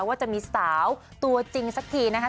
ว่าจะมีสาวตัวจริงสักทีนะคะ